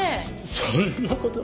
そんなことは。